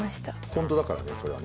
本当だからねそれはね。